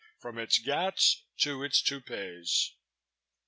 from its gats to its toupees."